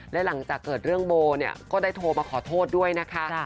และหลังจากเกิดเรื่องโบเนี่ยก็ได้โทรมาขอโทษด้วยนะคะ